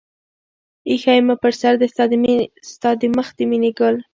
اىښى مې پر سر دى ستا د مخ د مينې گل